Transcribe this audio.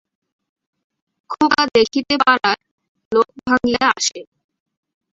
খোকা দেখিতে পাড়ার লোক ভাঙ্গিয়া আসে।